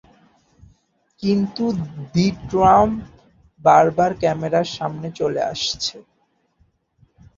কিন্তু the Trump বার বার ক্যামেরার সামনে চলে আসছে।